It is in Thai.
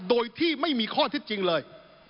โดยที่ไม่มีข้อเท็จจริงเลย